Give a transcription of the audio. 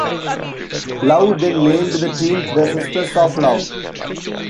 Love then named the team The Sisters of Love.